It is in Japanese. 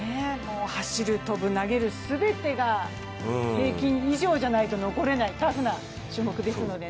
走る、跳ぶ、投げる、全てが平均以上でないと残れないタフな種目ですのでね。